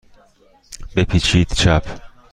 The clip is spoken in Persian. بپیچید چپ.